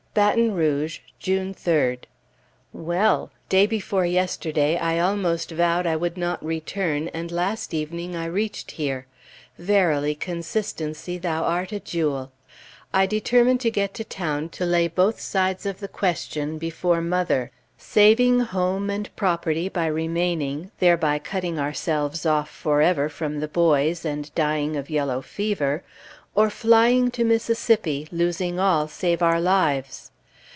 BATON ROUGE, June 3d. Well! Day before yesterday, I almost vowed I would not return, and last evening I reached here. Verily, consistency, thou art a jewel! I determined to get to town to lay both sides of the question before mother; saving home and property, by remaining, thereby cutting ourselves off forever from the boys and dying of yellow fever; or flying to Mississippi, losing all save our lives.